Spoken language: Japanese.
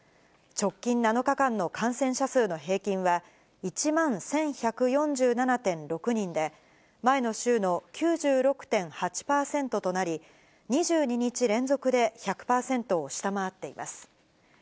直近７日間の感染者数の平均は１万１１４７．６人で、前の週の９６．８％となり、２２日連続で１００％を下回っています。